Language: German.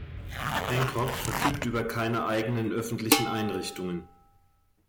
Hancock verfügt über keine eigenen öffentlichen Einrichtungen.